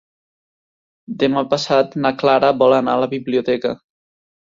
Demà passat na Clara vol anar a la biblioteca.